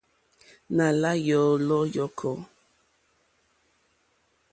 Nà la yòlò yɔ̀kɔ.